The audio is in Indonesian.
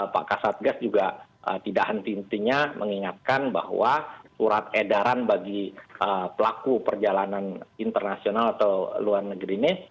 pak kasatgas juga tidak henti hentinya mengingatkan bahwa surat edaran bagi pelaku perjalanan internasional atau luar negeri ini